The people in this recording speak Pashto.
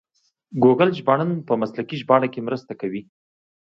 ګوګل ژباړن په مسلکي ژباړه کې مرسته کوي.